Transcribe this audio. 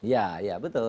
ya ya betul